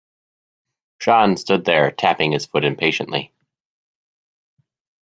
Sean stood there tapping his foot impatiently.